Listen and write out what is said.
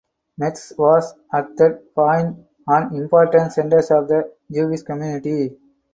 Metz was at that point an important center of the Jewish community.